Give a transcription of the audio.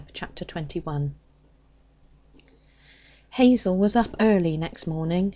Chapter 21 Hazel was up early next morning.